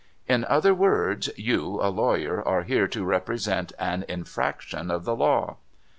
' In other words, you, a lawyer, are here to represent an infraction of the law.'